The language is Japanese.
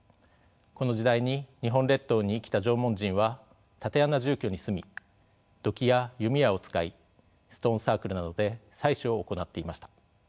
この時代に日本列島に生きた縄文人は竪穴住居に住み土器や弓矢を使いストーンサークルなどで祭祀を行っていました。